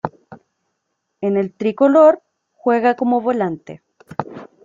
En el tricolor, juega como volante.